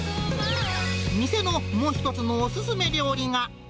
店のもう一つのお勧め料理が。